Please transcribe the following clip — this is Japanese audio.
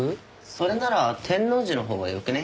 それなら天王寺のほうがよくね？